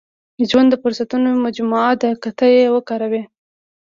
• ژوند د فرصتونو مجموعه ده، که ته یې وکاروې.